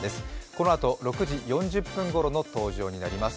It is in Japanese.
このあと６時４０分ごろの登場になります。